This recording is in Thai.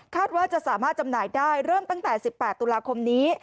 ว่าจะสามารถจำหน่ายได้เริ่มตั้งแต่๑๘ตุลาคมนี้